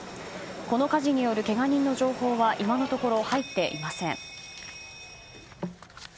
この火事によるけが人の情報は今のところ入っていません。